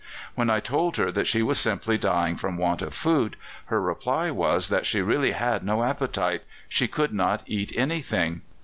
When I told her that she was simply dying from want of food, her reply was that she really had no appetite; she could not eat anything.